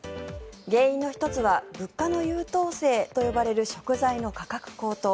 原因の１つは物価の優等生と呼ばれる食材の価格高騰。